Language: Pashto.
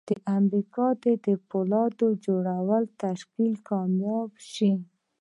د امریکا د پولاد جوړولو تشکیل کامیاب شو